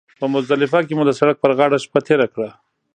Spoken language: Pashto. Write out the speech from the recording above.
په مزدلفه کې مو د سړک پر غاړه شپه تېره کړه.